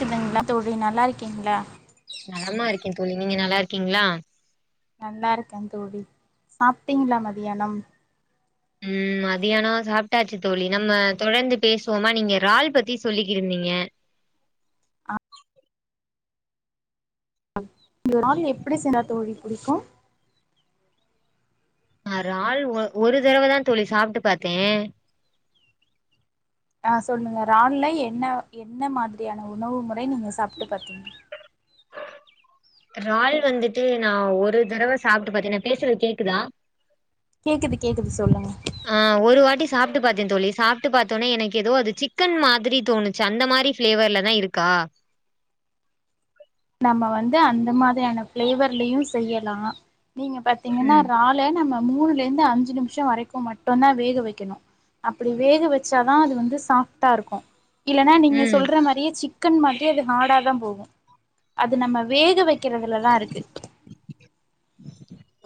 குதுங்ளா தோழி நல்லாருக்கிங்ளா நலமா இருக்கே தோழி நீங்க நல்லாருக்கிங்ளா நல்லாருக்கே தோழி சாப்பிட்டிங்ளா மதியானம் ம் மதியான சாப்ட்டாச்சு தோழி நம்ம தொடர்ந்து பேசுவோமா நீங்க றால் பத்தி சொல்லிக்கிட்ருந்திங்க இந்த றால் எப்படி செஞ்சா தோழி புடிக்கும் ஆ றால் ஒ ஒரு தடவதா தோழி சாப்ட்டு பாத்தே ஆ சொல்லுங்க றால்ல என்ன என்ன மாதிரியான உணவு முறை நீங்க சாப்ட்டு பாத்திங்க றால் வந்துட்டு நா ஒரு தடவ சாப்ட்டு பாத்தே நா பேசுறது கேக்குதா கேக்குது கேக்குது சொல்லுங்க ஆ ஒரு வாட்டி சாப்ட்டு பாத்தே தோழி சாப்ட்டு பாத்தோனே எனக்கு எதோ அது சிக்கன் மாதிரி தோணுச்சு அந்த மாரி ஃபிளேவர்லதா இருக்கா நம்ம வந்து அந்த மாதிரியான ஃபிளேவர்லயு செய்யலா நீங்க பாத்திங்கன்னா ம் றால் ல நாம மூணுல இருந்து அஞ்சு நிமிஷ வரைக்கு மட்டுந்தா வேக வெக்கணு அப்படி வேக வெச்சாதா அது வந்து சாஃப்டா இருக்கு இல்லன்னா நீங்க ம் சொல்ற மாரியே சிக்கன் மாதிரி அது ஹார்டாதா போகு அது நம்ம வேக வெக்கறதுலதா இருக்கு.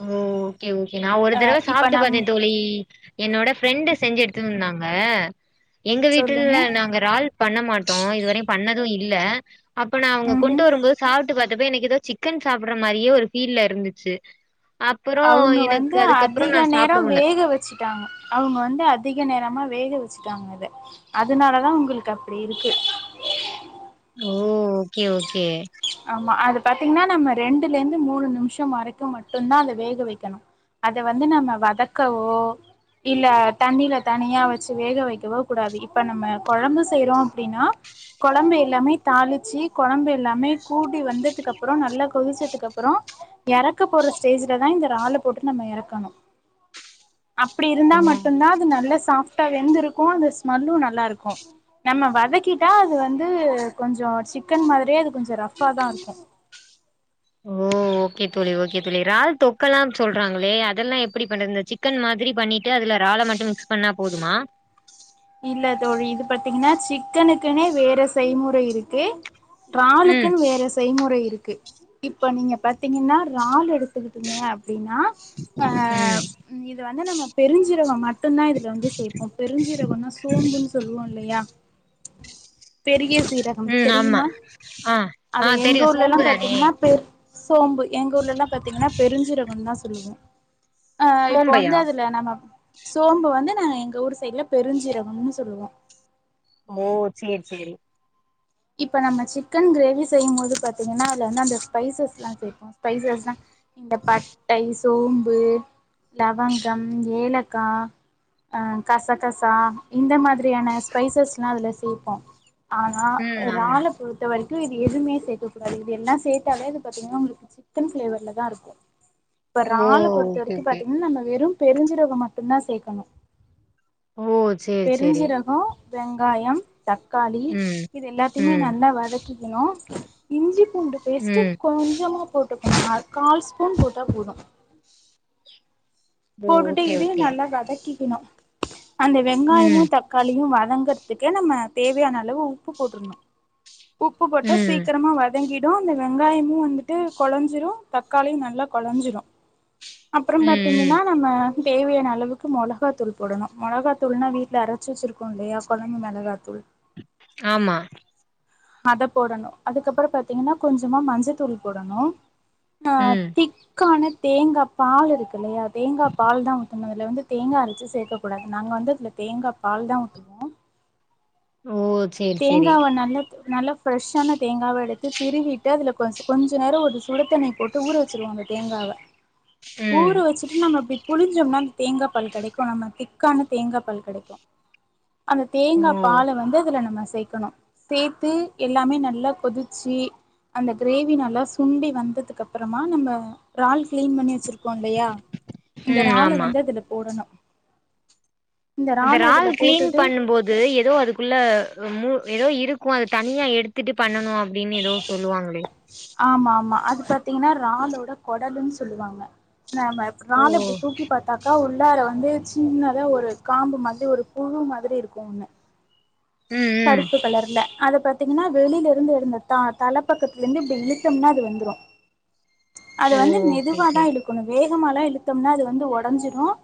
ஓ ஓகே ஓகே நா ஒரு அ தடவ இப்ப சாப்ட்டு நம் பாத்தே தோழி என்னோட ஃப்ரெண்டு செஞ்சு எடுத்து வந்துருந்தாங்க எங்க சொல்லுங்க வீட்டுல நாங்க றால் பண்ண மாட்டோ இதுவரையு பண்ணது இல்ல அப்ப நா அவங்க கொண்ட்டு ம்ஹும் வரும்போது சாப்ட்டு பாத்தப்ப எனக்கு எதோ சிக்கன் சாப்பிடற மாரியே ஒரு ஃபீல்ல இருந்துச்சு அப்புறோ அவுங்க எனக்கு வந்து அதுக்கப்புறோ அதிக நா நேர சாப்டவுல்ல வேக வெச் வச்சுட்டாங்க அவுங்க வந்து அதிக நேரமா வேக வச்சுட்டாங்க அத அதுனால தா உங்களுக்கு அப்டி இருக்கு. ஓ ஓகே ஓகே ஆமா அது பாத்தீங்கன்னா நம்ம ரெண்டுல இருந்து மூணு நிமிஷோ வரைக்கு மட்டுதா அத வேக வைக்குணு அத வந்து நம்ம வதக்கவோ இல்ல தண்ணில தனியா வச்சு வேக வைக்கவோ கூடாது இப்ப நம்ம கொழம்பு செய்றோ அப்டின்னா கொழம்பு எல்லாமே தாளிச்சு கொழம்பு எல்லாமே கூடி வந்ததுக்கு அப்றோ நல்லா கொதிச்சதுக்கு அப்றோ எறக்க போற ஸ்டேஜ்லதா இந்த றால்ல போட்டு நம்ம எறங்குனு [unintelligible] அப்டி இருந்தா ஓ மட்டும்தா அது நல்ல சாப்ட்டா வெந்திருக்கு அந்த ஸ்மெல்லு நல்லா இருக்கு நம்ம வதக்கிட்டா அது வந்து கொஞ்சோ சிக்கன் மாதிரியே அது கொஞ்சோ ரஃப்பா தா இருக்கு ஓ.... ஓகே தோழி ஓகே தோழி றால் தொக்கெல்லா சொல்றாங்களே அதெல்லா எப்டி பண்றது இந்த சிக்கன் மாதிரி பண்ணிட் ட்டு அதுல றால மட்டு மிக்ஸ் பண்ணா போதுமா இல்ல தோழி இது பாத்திங்கன்னா சிக்கனுக்குனு வேறு செய்முறை இருக்கு ம் ராலுக்குன் வேற செய்முறை இருக்கு இப்ப நீங்க பாத்தீங்கன்னா றால் எடுத்துக்கிட்டீங்க அப்டின்னா ம் இது வந்து நம்ம பெஞ்சீரகோ மட் மட்டுந்தா இதுல வந்து சேப்போ பெருஞ்சீரகோனா சோம்புன் சொல்வோ இல்லையா பெரிய சீரகம் ம் ஆமா தெரியுமா ஆ ஆ அத எங்க தெரியு ஊர்லலா சோம்பு தானே பாத்தீங்கன்னா பெ சோம்பு எங்க ஊர்லல்லா பாத்தீங்கன்னா பெருஞ்சீரகோ தா சொல்லுவோ ஆ இப்போ சோம்பையா வந்து அதுல நம்ம சோம்பு வந்து நாங்க எங்க ஊர் சைட்ல பெருஞ்சீரகம்னு சொல்லுவோ ஒ சேர் சேரி இப்ப நம்ம சிக்கன் கிரேவி செய்யு போது பாத்தீங்கன்னா அதுல வந்து அந்த ஸ்பைசஸ்லா சேப்போ ஸ்பைசஸ் தா இந்த பட்டை சோம்பு லவங்கம் ஏலக்கா கசகசா இந்த மாதிரியான ஸ்பைசஸ்லா அதுல சேப்போ ஆனா ம் ஆமா றால பொறுத்த வரைக்கு இது எதுவுமே சேக்கக் கூடாது இது எல்லா சேத்தாலே அது பாத்தீங்கன்னா உங்களுக் சிக்கன் ப்ளேவர்ல தாருக்கு இப்ப ஓ றால்ல பொறுத்த ஓகே வரைக்கு ஓகே பாத்தீங்கன்னா நம்ம வெறு பெருஞ்சீரகம் மட்டு தா சேக்கணு ஓ சேரி சேரி பெருஞ்சீரகோ வெங்காயம் தக்காளி ம் இது எல்லாத்தையுமே ம் நல்லா வதக்கிக்குணு இஞ்சி பூண்டு பேஸ்ட்டு ம் கொஞ்சமா போட்டுகுனுங்க கால் ஸ்பூன் போட்டா போது ஓ போட்டுட்டு ஓகே இதயு ஓகே நல்லா வதக்கிக்குணு அந்த வெங்காயமு ம் தக் காளியு வதங்கறதுக்கு நம்ம தேவையான அளவு உப்பு போட்ருனு உப்பு போட்டு ம் சீக்கிரமா வதங்கிட் தா அந்த வெங்காயமு வந்துட்டு கொலஞ்சிரு தக்காளியு நல்லா கொலஞ்சிரு அப்றோ ம் ம் பாத்தீங்கின்னா நம்ம தேவையான அளவுக்கு மொளகா தூள் போடணு மொளகா தூள்னா வீட்ல அரைச்சு வச்சுருக் கு இல்லியா கொழம்பு மெளகாத்தூள் ஆமா அத போடணு அதுக்கப்றோ பாத்தீங்கன்னா கொஞ்சமா மஞ்சத்தூள் போடணு ஆ ம் திக்கான தேங்கா பால் இருக்கு இல்லயா தேங்கா பால் தான் ஊத்தனு அதுல வந்து தேங்கா அரைச்சு சேக்கக் கூடாது நாங்க வந்து அதுல தேங்கா பால் தான் ஊத் ஓ சேரி சேரி தேங்காவ நல்ல நல்லா ஃப்ரெஷ்ஷான தேங்காவ எடுத்து திருவிட்டு அதுல கொஞ் கொஞ்ச நேரம் ஒரு சுடு தண்ணி போட் ஊற வச்சுருவோ அந்த தேங்காவ ம் ஊற வச்சுட்டு நம்ம இப்டி புழிஞ்சோம்னா தேங்கா பால் கெடைக்கு நம்ம திக்கான தேங்கா பால் கெடைக்கு அந்த ஓ தேங்கா பால்ல வந்து அதுல நம்ம சேக்கணு சேத்து எல்லாமே நல்லா கொதிச்சு அந்த கிரேவி நல்லா சுண்டி வந்ததுக்கு அப்றமா நம்ப இறால் கிளீன் பண்ணி வச்சிருக்கோ இல்லீயா இந்த ம் இறால ஆமா வந்து அதுல போடனு அந்த இறால் கிளீன் பண்ணு போது அது ஏதோ அதுக்குள்ள ஏதோ இருக்கும் அது தனியா எடுத்துட்டு பண்ணணும் அப்டின் ஏதோ சொல்லுவாங்ளே ஆமா ஆமா அது பாத்தீங்கன்னா றாலோட கொடலுன்னு சொல்லுவாங்க நாம ஓ இறால இப்டி தூக்கி பாத்தாக்கா உள் உள்ளல்லார வந்து சின்னதா ஒரு காம்பு மாதிரி ஒரு புழு மாதிரி இருக்கு ஒன்னு ம் ம் கருப்பு கலர்ல அத பாத்தீங்கன்னா வெளில இருந்து எடுந்தா தா தலை பக்கத்துலருந்து இப்டி இழுத்தம்னா அது வந்துரு அது ஓ வந்து ஓகே ஓகே மெதுவாதா இழுக்கணும் வேகமாலா இழுத்தோம்னா அது வந்து ஒடஞ்சிடும்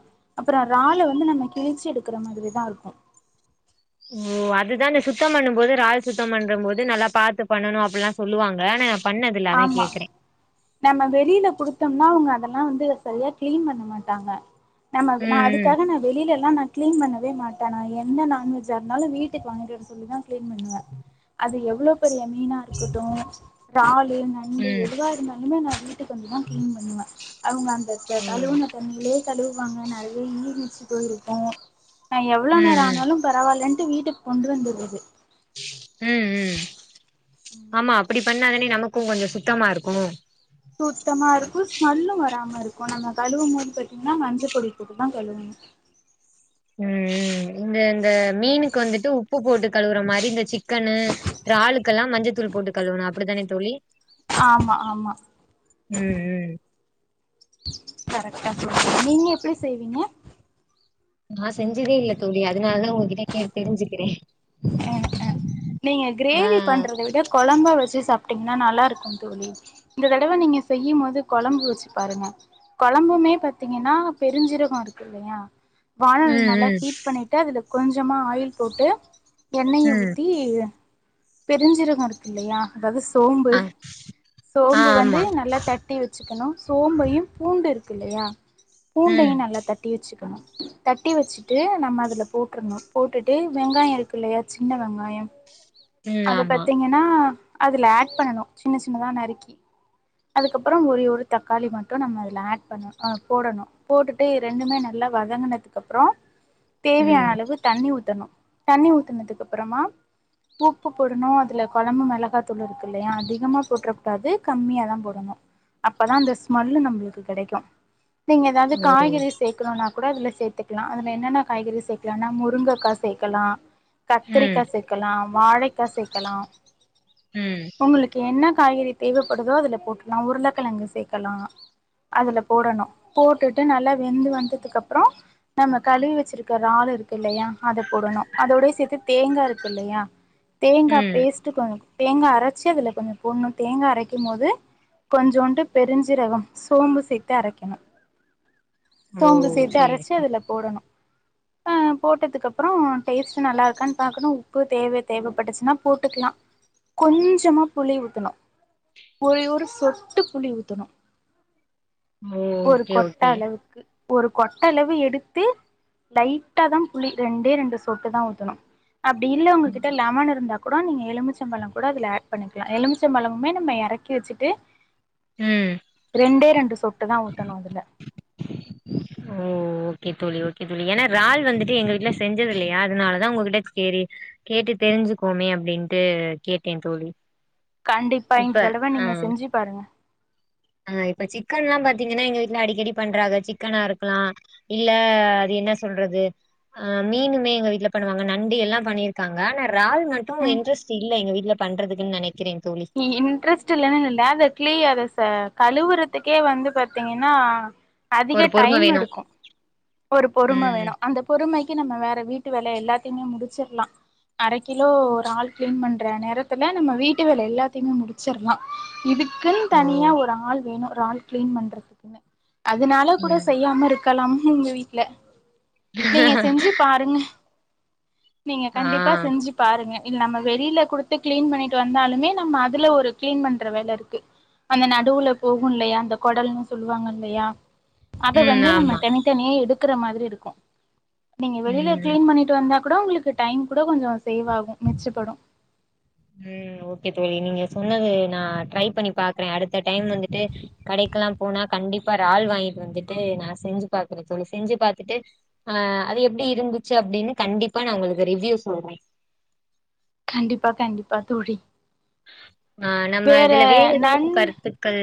அப்பற இறால வந்து நம்ம கிழிச்சி எடுக்கிற மாதிரி தா இருக்கு ஒ அதுதான்ன சுத்தம் பண்ணு போது ரால் சுத்தம் பண்ணறம் போது நல்லா பாத்து பண்ணனு அப்டியெல்லா சொல்லுவாங்க ஆனா பண்ணதுல அதா ஆமா கேட்கிறே நம்ம வெளியில குடுத்தோம்னா அவங்க அதெல்லாம் வந்து சரியா கிளீன் பண்ண மாட்டாங்க நம்ம நான் ம் அதுக்காக நா வெளியிலலா நா க்ளீன் பண்ணவே மாட்டேன் நான் என்ன நான்வெஜ்ஜா இருந்தாலு வீட்டுக்கு வாங்கி வர சொல்லி தா கீளன் பண்ணுவ அது எவ்ளோ பெரிய மீனா இருக்கட்டு ராலுன ம் நண்டு ம் எதுவா இருந்தாலுமே நா வீட்டுக்கு வந்துதா கிளீன் பண்ணுவே அவங்க அந்த ம் கழுவுன த தண்ணிலையே கழுவுவாங்க நெறைய ஈர்யச்சு போயி இருக்கு நா எவ்வளவு நேரோ ம் ஆனாலு பரவாயிலன்ட்டு வீட்டுக்கு கொண்டு வந்துறது ம் ம் ஆமா அப்டி பண்ணாதானே நமக்கும் கொஞ்சோ சுத்தமா இருக்கு சுத்தமா இருக்கு ஸ்மெல்லு வராம இருக்கு நம்ம கழுவும் போது பாத்தீங்கன்னா மஞ்சள் பொடி போட்டு தான் கழுவணு ம் ம் இந்த இந்த மீனுக்கு வந்துட்டு உப்பு போட்டு த் கழுவுற மாரி இந்த சிக்கனு ரால்ளுக்கெல்லா மஞ்சத்தூள் போட்டு கழுவணு அப்டித்தானே தோழி ஆமா ஆமா ம் ம் கரெக்டா சொல்ரிங்க நீங்க எப்டி செய்வீங்க நா செஞ்சதே இல்ல தோழி அதனால தா ஒங்கிட் [unintelligible] கேட்டு தெரிஞ்சுகிறேன் நீங்க நா கிரேவி பண்றத விட கொழம்பா வச்சு சாப்ட்டீங்கன்னா நல்லா இருக்கு தோழி இந்த தடவை நீங்க செய்யு போது கொழம்பு வச்சு பாருங்க குழம்புமே பாத்தீங்கன்னா பெருஞ்சீரகோ இருக்கு இல்லையா வானொலியில் ம் நல்லா ம் ஹீட் பண்ணிட்டு அதில் கொஞ்சமா ஆயில் போட்டு எண்ணெயை ம் ஊத்தி பெருஞ்சீரகம் இருக் இல்லையா அதாவது சோம்பு ஆ ஆ சோம்பு வந்து ஆமா நல்லா தட் தட்டி வச்சுக்கணு சோம்பையு பூண்டு இருக்கு இல்லையா ம் பூண்டையும் நல்ல தட் தட்டி வச்சுக்கணு தட்டி வச்சுட்டு நம்ம அதுல போட்ருன்னு போட்டுட்டு வெங்காய இருக்குல்லையா சின்ன வெங்காயம் ம் அத ஆமா பத்தீங்கன்னா அதுல ஆட் பண்ணனு சின்ன சின்னதா நறுக்கி அதுக்கப்புறம் ஒ ஒரு தக்காளி மட்டு நம்ம அதில ஆட் பண்ணு அ போடணு போட்டுட்டு ரெண்டுமே நல்லா வதங்கனதுக் அப்பறோ ம் தேவையான அளவு தண்ணி ஊத்தணு தண்ணி ஊத்துனதுக்கப்பறமா உப்பு போடணு அதுல கொழம்பு மிளகா தூள் இருக்கு இல்லையா அதிகமா போட்ற காது கம்மியா தா போடணு அப்பதா அந்த ஸ்மல்லு நம்பளுக்கு கடைக்கு நீங்க எதாவது ஓ காய்கறிஸ் சேக்கணுனா கூட அதுல சேத்துக்கலா அதுல என்னென்ன காய்கறிஸ் சேக்கலான்னா முருங்கக்கா சேக்கலா ம் கத்திரிக்கா சேக்கலா வாழைக்கா சேக்கலா ம் உங்களுக்கு என்ன காய்கறி தேவைப்படுதோ அதுல போட்டுல்லா உருளக்கெழங்கு சேக்கலா அதுல போடணு போட்டுட்டு நல்லா வெந்து வந்ததுக்கப்பறோ நம்ம கழுவி வச்சிருக் றால் இருக்கு இல்லையா அத போடணு அதோட சேர்த்து தேங்கா இருக்கு இல்லையா தேங்கா ம் பேஸ்ட்டு கொஞ் தேங்கா அரச்சு அதுல கொஞ்ச போட்ணு தேங்கா அரைக்கும் போது கொஞ்சோண்டு பெருஞ்சீரகம் சோம்பு சேர்த்து அரைக்கணு ஓ சோம்பு சேர்த்து சேரி அரச்சு அதல்ல போடணு அ போட்டதுக்கு அப்பறோ டேஸ்ட் நல்லா இருக்கான் பாக்கணு உப்பு தேவை தேவப் பட்டுச்சுன்னா போட்டுக்கலா கொஞ்சமா புளி ஊத்தணு ஒரே ஒரு சொட்டு புளி ஊத்தணு ஓ ஒரு ஓகே கொட்ட ஓகே அளவுக்கு ஒரு கொட்ட அளவு எடுத்து லைட்டா தா புளி ரெண்டே ரெண்டு சொட்டு தா ஊத்தணு அப்டி இல்ல உங்ககிட்ட லெமன்னு இருந்தா கூட நீங்க எலுமிச்சம்பழம் கூட அதுல ஆட் பண்ணிக்கலா எலும்ச்சம்பழங்கமே நம்ம எறக்கி வெச்சுட்டு ம் ரெண்டே ரெண்டு சொட்டு தா ஊத்தணு அதுல ஓ ஓகே தோழி ஓகே தோழி ஏன்னா ம் றால் வந்துட்டு எங்க வீட்டுல செஞ்சது இல்லையா அதனாலதா உங்ககிட்ட சேரி கேட்டு தெரிஞ்சுக்கோமே அப்படின்ட்டு கேட்டேன் தோழி கண்டிப்பா இப்ப இந்த தடவ ஆ நீங்க செஞ்சு பாருங்க ஆ இப்ப சிக்கன் எல்லா பாத்தீங்கன்னா எங்க வீட்டுல அடிக்கடி பண்றாங்க சிக்கனா இருக்கலா இல்ல அது என்ன சொல்றது அ மீனுமே எங்க வீட்ல பண்ணுவாங்க நண்டு எல்லா பண்ணியிருக்காங்க ஆனா றால் மட்டு ம் இன்ட்ரெஸ்ட் சி இல்ல எங்க வீட்ல பண்றதுக்குன் நெனைக்கிறேன் தோழி இன்ட்ரெஸ்ட் இல்லன்னு இல்ல அத கிளீ அத ச கழுவுறதுக்கே வந்து பாத்தீங்கன்னா அதிக ஒரு பொறும டைம் வேணு எடுக்கும் ஒரு பொறும ம் வேணு அந்த பொறுமைக்கு நம்ம வேற வீட்டு வேலை எல்லாத்தையுமே முடிச்சிற்லா அரை கிலோ இறால் கிளீன் பண்ற நேரத்துல நம்ம வீட்டு வேலை எல்லாதையுமே முடிச்சற்லா இதுக் குன் ஓ தனியா ஒரு ஆள் வேணு றால் கிளீன் பண்றதுக்குன்னு அதனால கூட ம் செய்யாம இருக் கலாம் உங்க வீட்டுல நீங்க செஞ்சு பாருங்க நீங்க ஆ கண்டிப்பா செஞ்சு பாருங்க இல் நம்ம வெளியில குடுத்து கிளீன் பண்ணிட்டு வந்தாலுமே நம்ம அதுல ஒரு கிளீன் பண்ற வேல இருக்கு அந்த நடுவுல போகுல்லையா அந்த குடல்ன்னு சொல்லுவாங்க இல்லையா அத ம் வந்து நம்ம ஆமா தனித்தனியா எடுக்கற மாதிரி இருக்கு நீங்க வெளியில ம் கிளீன் பண்ணிட் டு வந்தா கூட உங்களுக்கு டைம் கூட கொஞ்சோ சேவ் ஆகு மிச்சப்படு ம் ஓகே தோழி நீங்க சொன்னது நா ட்ரை பண்ணி பாக்கறே அடுத்த டைம் வந்துட்டு கடைக்கல்லா போனா கண்டிப்பா றால் வாங்கிட்டு வந்துட்டு நா செஞ்சு பாக்குறே தோழி செஞ்சு பாத்துட்டு ஆ அது எப்டி இருந்துச்சி அப்டின்னு கண்டிப்பா நா உங்களுக்கு ரிவ்யூ சொல்றே கண்டிப்பா கண்டிப்பா தோழி ஆ நம்ம இதுல வேற எதுவும் நண் கருத்துக்கள்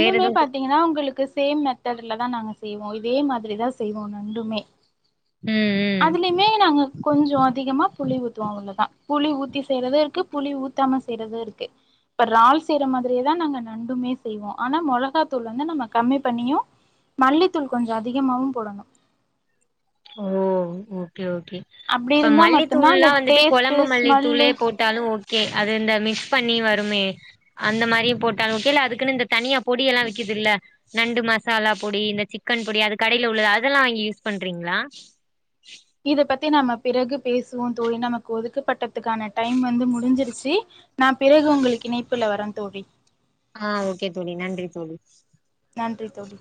வேற எதுவு பாத்தீங்னா உங்களுக்கு சேம் மெத் தட்ல தா நாங்க செய்வோ இதே மாதிரி தா செய்வோ நண்டுமே ம் ம் அதுலயுமே நாங்க கொஞ்சோ அதிகமா புளி ஊத்துவோ அவ்ளோதா புளி ஊத்தி செய்றது இருக்கு புளி ஊத்தாம செய்றது இருக்கு இப்ப எறால் செய்யற மாதிரியேதா நாங்க நண்டுமே செய்வோ ஆனா மொளகாத்தூள் வந்து நம்ம கம்மி பண்ணியு மல்லித்தூள் கொஞ்சோ அதிகமாவு போடணு ஓ ஓகே ஓகே அப்டி இப்ப இருந்தா மட்டுந்தா அந்த மல்லித்தூள்லா வந்துட்டு டேஸ்ட்டு கொழம்பு ஸ்மெல்லு மல்லித்தூளே போட் டாலு ஓகே அது இந்த மிக்ஸ் பண்ணி வருமே அந்த மாரியு போட்டாலு ஓகே இல்ல அதுக்குன்னு இந்த தனியா பொடி எல்லா விக்குதுல்ல நண்டு மசாலா பொடி இந்த சிக்கன் பொடி அது கடையில உள்ளது அதெல்லா வாங்கி யூஸ் பண்றீங்ளா இத பத்தி நம்ம பிறகு பேசுவோம் தோழி நமக்கு ஒதுக்கப்பட்டதுக்கான டைம் வந்து முடிஞ்சிருச்சி நா பிறகு உங்களுக்கு இணைப்புல வர தோழி ஆ ஓகே தோழி நன்றி தோழி நன்றி தோழி